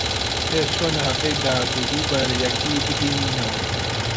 پێت چۆنە هەفتەی داهاتوو دووبارە یەکدی ببینینەوە؟